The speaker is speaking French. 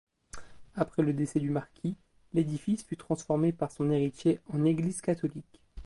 Après le décès du marquis, l'édifice fut transformé par son héritier en église catholique.